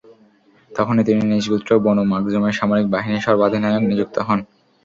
তখনই তিনি নিজ গোত্র বনু মাখযুমের সামরিক বাহিনীর সর্বাধিনায়ক নিযুক্ত হন।